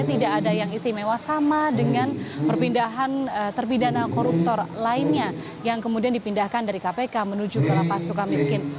tidak ada yang istimewa sama dengan perpindahan terpidana koruptor lainnya yang kemudian dipindahkan dari kpk menuju ke lapas suka miskin